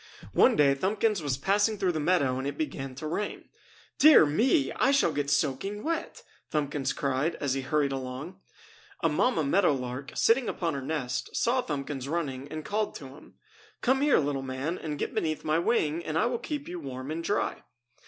One day Thumbkins was passing through the meadow and it began to rain. "Dear me! I shall get soaking wet!" Thumbkins cried as he hurried along. A mamma meadow lark, sitting upon her nest, saw Thumbkins running and called to him: "Come here, little man, and get beneath my wing and I will keep you warm and dry!"